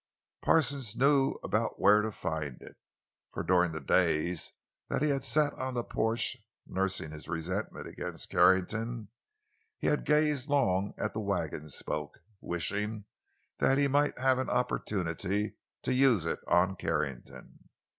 Parsons knew about where to find it, for during the days that he had sat on the porch nursing his resentment against Carrington, he had gazed long at the wagon spoke, wishing that he might have an opportunity to use it on Carrington.